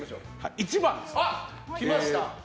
１番ですね。